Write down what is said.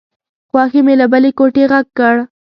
خواښې مې له بلې کوټې غږ کړ.